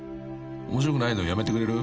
［面白くないのやめてくれる？］